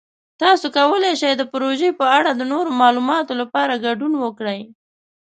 تاسو کولی شئ د پروژې په اړه د نورو معلوماتو لپاره ګډون وکړئ.